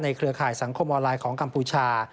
เครือข่ายสังคมออนไลน์ของกัมพูชา